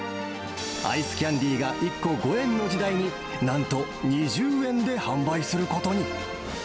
アイスキャンディーが１個５円の時代に、なんと２０円で販売することに。